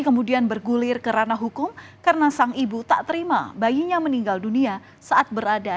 kemudian bergulir ke ranah hukum karena sang ibu tak terima bayinya meninggal dunia saat berada